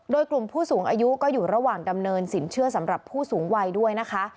โดยกลุ่มผู้สูงอายุก็อยู่ระหว่างดำเนินสินเชื่อสำหรับผู้สูงวัยด้วยนะคะ